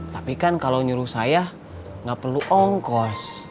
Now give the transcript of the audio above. tapi kan kalau nyuruh saya nggak perlu ongkos